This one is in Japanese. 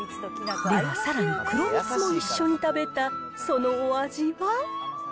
ではさらに、黒みつも一緒に食べた、そのお味は？